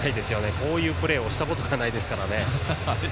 こういうプレーをしたことがないですからね。